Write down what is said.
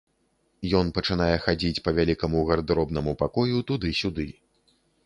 Ён пачынае хадзіць па вялікаму гардэробнаму пакою туды-сюды.